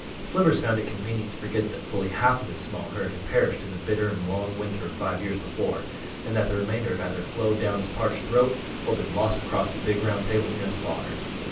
Slivers found it convenient to forget that fully half of his small herd had perished in the bitter and long winter of five years before, and that the remainder had either flowed down his parched throat or been lost across the big round table near the bar.